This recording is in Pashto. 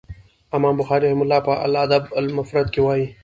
امام بخاري رحمه الله په الأدب المفرد کي